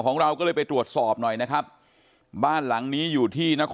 ของเราก็เลยไปตรวจสอบหน่อยนะครับบ้านหลังนี้อยู่ที่นคร